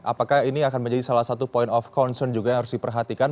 apakah ini akan menjadi salah satu point of concern juga yang harus diperhatikan